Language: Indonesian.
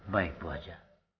baik bu aja